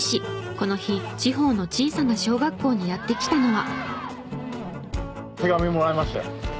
この日地方の小さな小学校にやって来たのは。